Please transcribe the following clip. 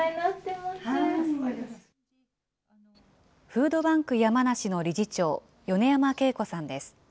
フードバンク山梨の理事長、米山けい子さんです。